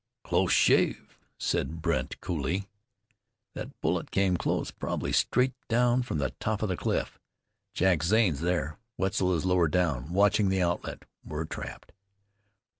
"Close shave!" said Brandt coolly. "That bullet came, probably, straight down from the top of the cliff. Jack Zane's there. Wetzel is lower down watching the outlet. We're trapped."